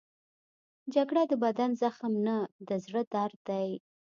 جګړه د بدن زخم نه، د زړه درد دی